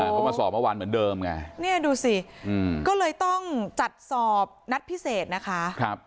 เขามาสอบเมื่อวานเหมือนเดิมไงเนี่ยดูสิก็เลยต้องจัดสอบนัดพิเศษนะคะ